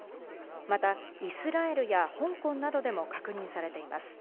またイスラエルや香港などでも確認されています。